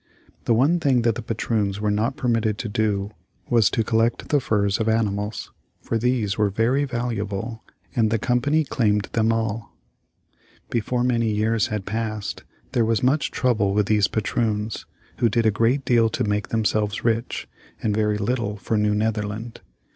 The one thing that the patroons were not permitted to do was to collect the furs of animals, for these were very valuable and the Company claimed them all. Before many years had passed there was much trouble with these patroons, who did a great deal to make themselves rich, and very little for New Netherland.